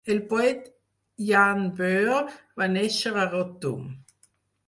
El poeta Jan Boer va néixer a Rottum.